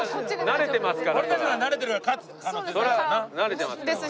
慣れてますから。